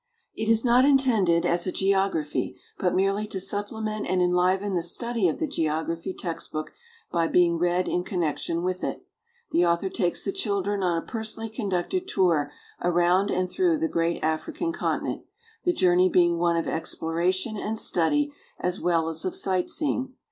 It is not intended as a geography, but merely to supple ment and enliven the study of the geography text book ^ by being read in connection with it. The author takes the children on a personally conducted tour around and through the great African continent, the journey being one of exploration and study as well as of sight seeing.